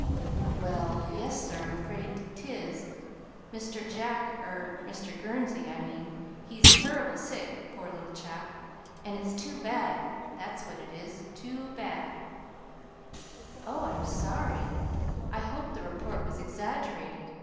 "Well, yes, sir, I'm afraid 't is, Mr. Jack er Mr. Gurnsey, I mean. He is turrible sick, poor little chap, an' it's too bad that's what it is too bad!" "Oh, I'm sorry! I hoped the report was exaggerated.